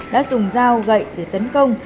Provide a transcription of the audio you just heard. đã dùng dao gậy để tấn công